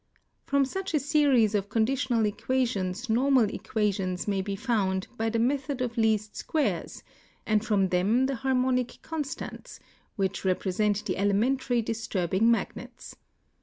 From such a series of conditional equations normal equations may be found by the method of least squares, and from them the harmonic constants which rei)resent the elementary disturb ing magnets.